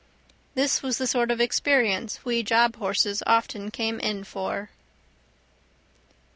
This was the sort of experience we job horses often came in for.